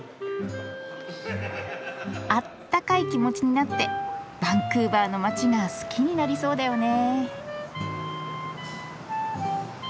あったかい気持ちになってバンクーバーの街が好きになりそうだよね。